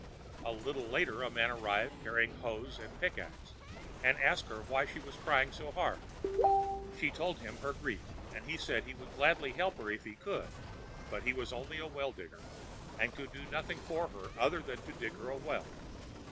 A little later a man arrived carrying hoes and pickax, and asked her why she was crying so hard. She told him her grief, and he said he would gladly help her if he could, but he was only a well digger, and could do nothing for her other than to dig her a well.